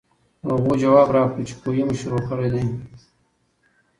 هغو جواب راکړو چې کوهے مو شورو کړے دے ـ